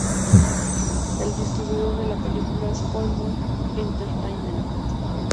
El distribuidor de la película es Full Moon Entertainment.